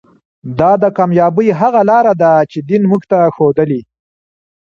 دا د کامیابۍ هغه لاره ده چې دین موږ ته ښودلې.